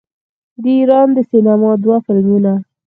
د ایران د سینما دوه فلمونه